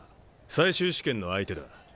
最終試験の相手だ。